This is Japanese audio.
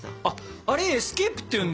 あれエスケープっていうんだ。